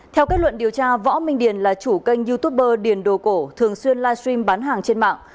theo kết luận điều tra võ minh điền là chủ kênh youtuber điền đồ cổ thường xuyên livestream bán hàng trên mạng